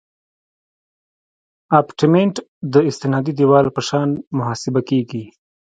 ابټمنټ د استنادي دیوال په شان محاسبه کیږي